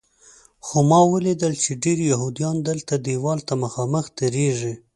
خو ما ولیدل چې ډېر یهودیان دلته دیوال ته مخامخ درېږي.